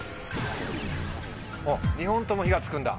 ２本とも火がつくんだ。